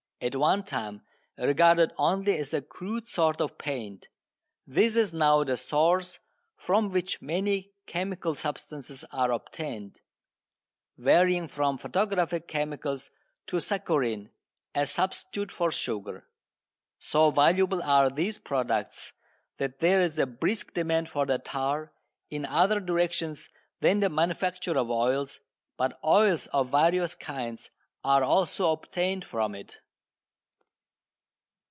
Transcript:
At one time regarded only as a crude sort of paint, this is now the source from which many chemical substances are obtained, varying from photographic chemicals to saccharine, a substitute for sugar. So valuable are these products that there is a brisk demand for the tar, in other directions than the manufacture of oils, but oils of various kinds are also obtained from it.